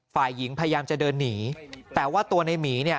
ฝ่ายหญิงพยายามจะเดินหนีแต่ว่าตัวในหมีเนี่ย